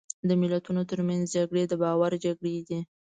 د ملتونو ترمنځ جګړې د باور جګړې دي.